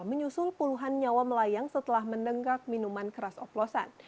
menyusul puluhan nyawa melayang setelah mendenggak minuman keras oplosan